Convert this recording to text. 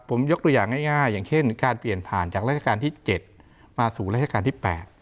ผมยกตัวอย่างง่ายอย่างเช่นการเปลี่ยนผ่านจากราชการที่๗มาสู่ราชการที่๘